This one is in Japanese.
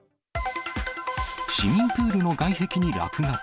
市民プールの外壁に落書き。